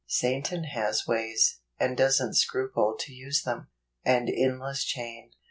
Satan has ways, and doesn't scruple to use them. An Endless Chain.